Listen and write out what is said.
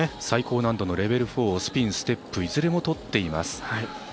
最高難度のレベル４をスピン、ステップいずれもとっています。